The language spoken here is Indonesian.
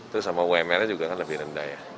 terus sama umr nya juga kan lebih rendah ya